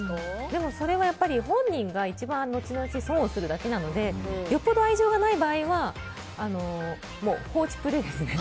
でもそれはやっぱり本人が後々損をするだけなのでよっぽど愛情がない場合はもう、放置プレーですね。